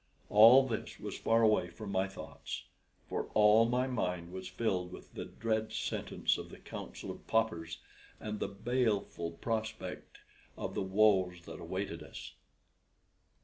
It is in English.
All this was far away from my thoughts; for all my mind was filled with the dread sentence of the Council of Paupers and the baleful prospect of the woes that awaited us.